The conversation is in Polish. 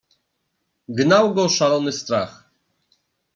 "Gnał go szalony strach."